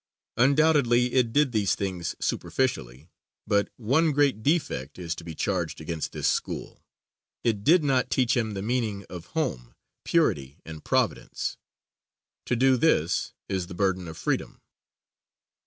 Undoubtedly it did these things superficially, but one great defect is to be charged against this school it did not teach him the meaning of home, purity and providence. To do this is the burden of freedom.